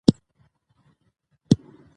هغه سمڅې ته ننه ایستو.